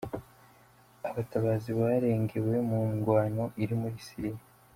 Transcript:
Abatabazi barengewe mu ngwano iri muri Syria .